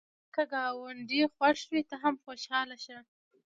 که ګاونډی خوښ وي، ته هم خوشحاله شه